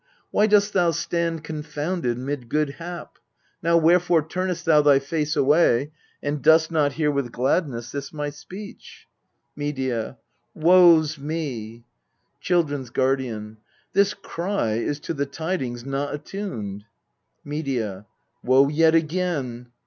Why dost thou stand confounded mid good hap? Now wherefore turnest thou thy face away, And dost not hear with gladness this my speech? Medea. Woe's me ! Children's Guardian. This cry is to the tidings not attuned. Medea. Woe yet again